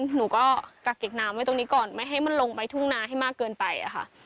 หนูก็กักเก็บน้ำไว้ตรงนี้ก่อนไม่ให้มันลงไปทุ่งนาให้มากเกินไปอะค่ะ